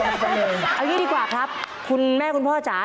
เอาอย่างนี้ดีกว่าครับคุณแม่คุณพ่อจ๋า